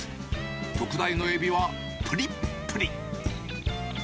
特大のエビはぷりっぷり。